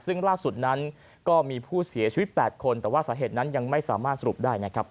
ซึ่งล่าสุดนั้นก็มีผู้เสียชีวิต๘คนแต่ว่าสาเหตุนั้นยังไม่สามารถสรุปได้นะครับ